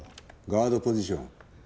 ガードポジション。